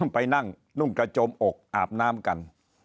ไปนั่งนุ่งกระจมอกอาบน้ำกัน